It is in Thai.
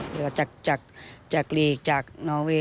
หรือว่าจากจากจากหลีกจากนอเวย์